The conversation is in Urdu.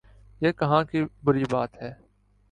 یہ کہاں کی بری بات ہے؟